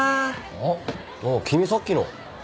あっ君さっきの。